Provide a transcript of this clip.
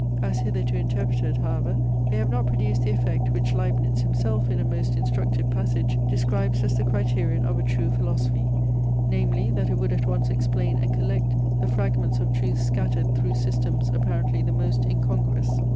As hitherto interpreted, however, they have not produced the effect, which Leibnitz himself, in a most instructive passage, describes as the criterion of a true philosophy; namely, that it would at once explain and collect the fragments of truth scattered through systems apparently the most incongruous.